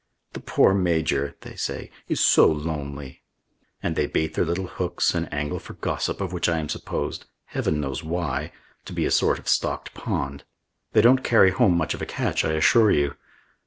"The poor Major," they say, "is so lonely." And they bait their little hooks and angle for gossip of which I am supposed Heaven knows why to be a sort of stocked pond. They don't carry home much of a catch, I assure you....